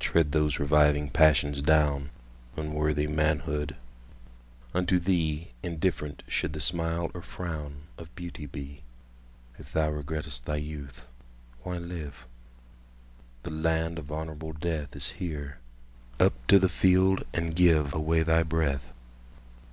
Tread those reviving passions down, Unworthy manhood!—unto theeIndifferent should the smile or frownOf beauty be. If thou regret'st thy youth, why live? The land of honourable deathIs here:—up to the field, and giveAway thy breath!